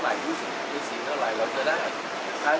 พอแล้วหนึ่งหนึ่งเราจะขยายเวลาเนี่ย